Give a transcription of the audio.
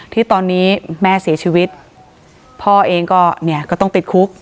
ที่ตอนนี้แม่เสียชีวิตพ่อเองก็เนี่ยก็ต้องติดคุก